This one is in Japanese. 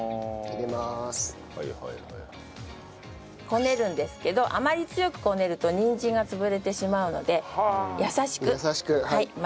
こねるんですけどあまり強くこねるとにんじんが潰れてしまうので優しく混ぜてください。